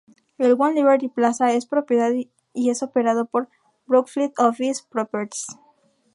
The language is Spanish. El One Liberty Plaza es propiedad y es operado por Brookfield Office Properties.